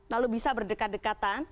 lalu bisa berdekat dekatan